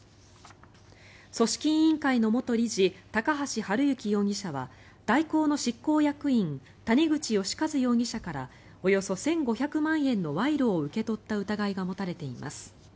組織委員会の元理事高橋治之容疑者は大広の執行役員谷口義一容疑者からおよそ１５００万円の賄賂を受け取った疑いが持たれています。